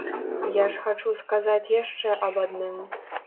Я ж хачу сказаць яшчэ аб адным.